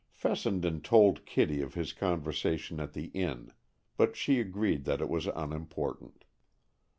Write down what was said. Fessenden told Kitty of his conversation at the inn, but she agreed that it was unimportant.